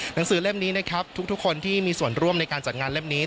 หนังสือเล่มนี้นะครับทุกคนที่มีส่วนร่วมในการจัดงานเล่มนี้